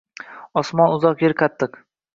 Osmon uzoq, er qattiq